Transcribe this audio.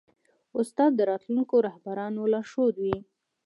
استاد د راتلونکو رهبرانو لارښود وي.